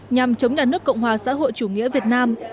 nhằm chống nhà nước cộng hòa xã hội chủ nghĩa việt nam